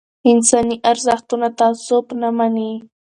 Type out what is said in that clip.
انساني ارزښتونه تعصب نه مني